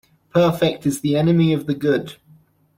Perfect is the enemy of the good